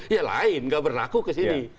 ya lain nggak berlaku ke sini